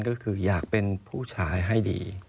ก็คืออยากเป็นผู้ชายให้ดี